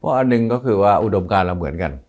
อันหนึ่งก็คือว่าอุดมการเราเหมือนกัน